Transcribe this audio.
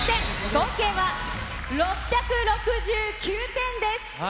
合計は６６９点です。